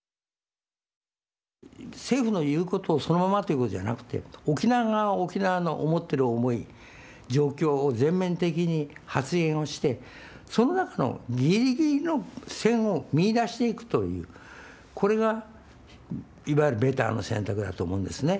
政府の言うことをそのままってことじゃなくて沖縄が沖縄の思っている思い状況を全面的に発言をしてその中のギリギリの線を見いだしていくというこれがいわゆるベターな選択だと思うんですね。